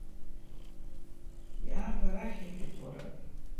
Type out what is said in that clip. Иааг арахь, — иҳәеит, уара!